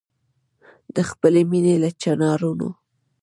د خپلي مېني له چنارونو